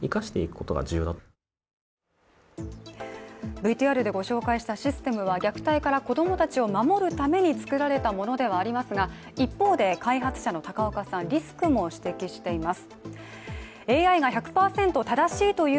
ＶＴＲでご紹介したシステムは虐待から子供たちを守るために作られたのではありますが一方で開発者の高岡さん、リスクも指摘しています。